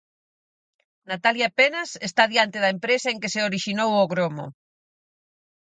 Natalia Penas está diante da empresa en que se orixinou o gromo.